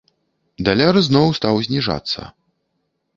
Даляр зноў стаў зніжацца.